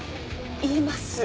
言います。